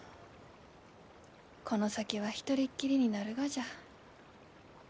この先は一人っきりになるがじゃ。